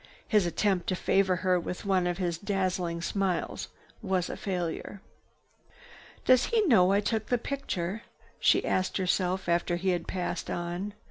His attempt to favor her with one of his dazzling smiles was a failure. "Does he know I took the picture?" she asked herself after he had passed on.